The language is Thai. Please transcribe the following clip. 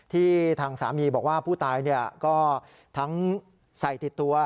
ทางสามีบอกว่าผู้ตายก็ทั้งใส่ติดตัว